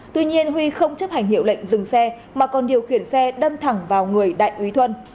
tuy nhiên huy không chấp hành hiệu lệnh dừng xe mà còn điều khiển xe đâm thẳng vào người đại úy thuân